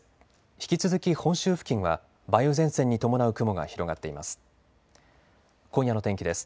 引き続き本州付近は梅雨前線に伴う雲が広がっています。